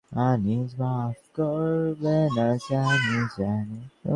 কিন্তু এবার নিশ্চিত হয়ে গেল, ইউরোপের কোনো দলের কাছেই থাকছে বিশ্বকাপ।